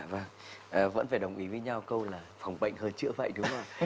vâng vẫn phải đồng ý với nhau câu là phòng bệnh hơn chữa bệnh đúng không